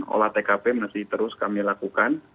olah tkp masih terus kami lakukan